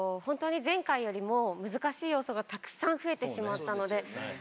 本当に前回よりも難しい要素がたくさん増えてしまったので。